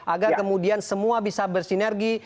agar kemudian semua bisa bersinergi